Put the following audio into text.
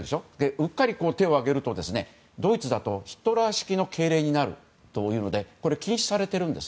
うっかり手を上げるとドイツだとヒトラー式の敬礼になるということでこれは禁止されているんです。